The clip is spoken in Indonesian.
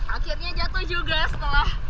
akhirnya jatuh juga setelah